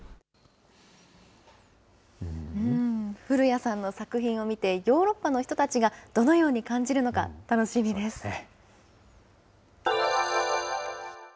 古屋さんの作品を見て、ヨーロッパの人たちがどのように感じるのか、楽しみです。